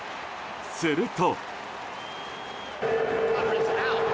すると。